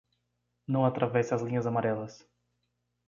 Não atravesse as linhas amarelas.